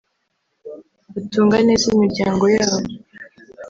batunga neza imiryango yabo